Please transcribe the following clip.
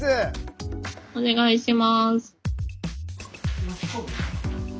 お願いします。